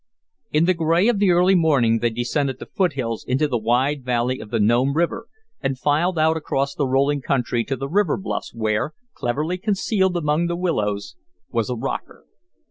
In the gray of the early morning they descended the foot hills into the wide valley of the Nome River and filed out across the rolling country to the river bluffs where, cleverly concealed among the willows, was a rocker.